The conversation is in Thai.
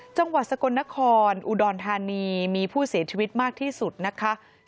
จังหวัดสกลนครอุดรธานีมีผู้เสียชีวิตมากที่สุดนะคะ